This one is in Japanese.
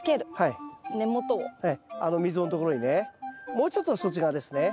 もうちょっとそっち側ですね。